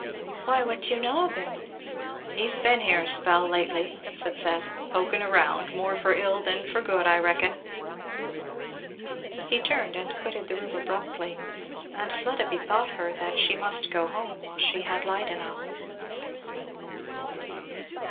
"Why what do you know of him?" "He's been here a spell lately," said Seth, "poking round; more for ill than for good, I reckon." He turned and quitted the room abruptly; and Fleda bethought her that she must go home while she had light enough.